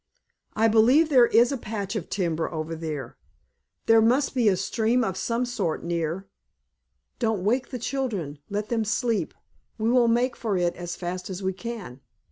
"I believe there is a patch of timber over there. There must be a stream of some sort near. Don't wake the children, let them sleep; we will make for it as fast as we can."